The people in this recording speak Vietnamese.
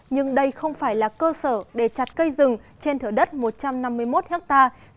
nhưng đây không phải là cơ sở để chặt cây rừng trên thửa đất một trăm năm mươi một hectare